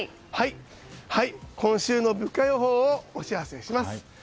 今週の物価予報をお知らせします。